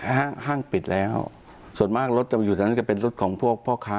ห้างห้างปิดแล้วส่วนมากรถจะมาอยู่ทางนั้นจะเป็นรถของพวกพ่อค้า